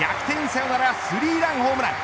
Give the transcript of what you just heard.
サヨナラスリーランホームラン。